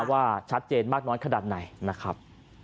ว่าชัดเจนมากน้อยขนาดไหนนะครับ